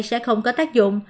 sẽ không có tác dụng